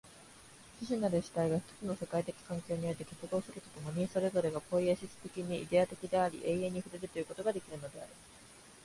種々なる主体が一つの世界的環境において結合すると共に、それぞれがポイエシス的にイデヤ的であり、永遠に触れるということができるのである。